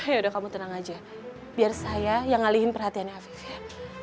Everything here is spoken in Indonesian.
ayo kamu tenang aja biar saya yang ngalihin perhatiannya hafiz ya